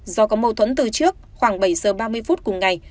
do có mâu thuẫn từ trước khoảng bảy giờ ba mươi phút cùng ngày